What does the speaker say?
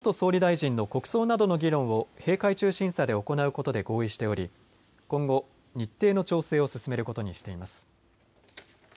与野党は臨時国会のあと安倍元総理大臣の国葬などの議論を閉会中審査で行うことで合意しており、今後、日程の調整を進めることにしています。